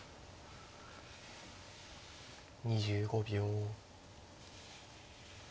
２５秒。